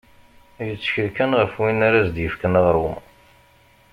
Yettkel kan ɣef win ara as-d-yefken aɣrum.